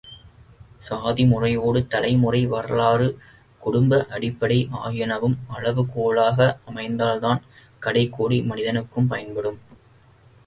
சாதி முறையோடு தலைமுறை வரலாறு, குடும்ப அடிப்படை ஆகியனவும் அளவு கோலாக அமைந்தால்தான் கடைகோடி மனிதனுக்கும் பயன்படும்.